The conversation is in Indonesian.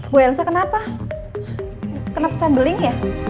bu elsa kenapa kenapa cangguling ya